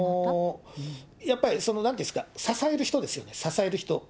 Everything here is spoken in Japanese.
やっぱりなんて言うんですか、支える人ですよね、支える人。